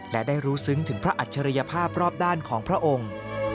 และได้รู้ซึ้งถึงพระอัจฉริยภาพรอบด้านของพระองค์